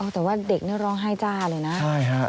อ้อแต่ว่าเด็กน่าร้องไห้จ้าเลยนะค่ะแล้วก็